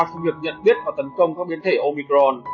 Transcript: trong việc nhận biết và tấn công các biến thể omicron